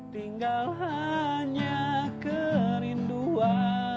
tinggal hanya kerinduan